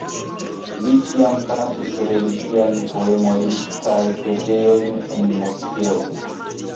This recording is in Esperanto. Li ĉiam kantis religiajn poemojn kaj preĝojn en moskeo.